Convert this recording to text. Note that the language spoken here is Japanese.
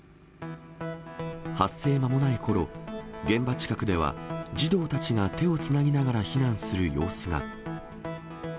発生まもないころ、現場近くでは、児童たちが手をつなぎながら避難する様子が。